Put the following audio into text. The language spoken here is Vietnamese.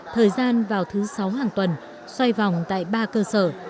thời gian vào thứ sáu hàng tuần xoay vòng tại ba cơ sở